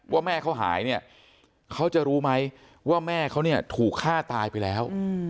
ว่าแม่เขาหายเนี่ยเขาจะรู้ไหมว่าแม่เขาเนี่ยถูกฆ่าตายไปแล้ว